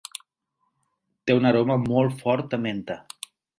Té un aroma molt fort a menta.